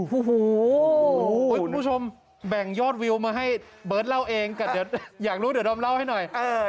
ผู้ชมแบ่งยอดวิวมาให้เบิร์ตเล่าเองอยากรู้เดี๋ยวดำเล่าให้หน่อย